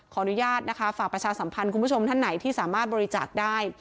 ขออนุญาตนะคะฝากประชาสัมพันธ์คุณผู้ชมท่านไหนที่สามารถบริจาคได้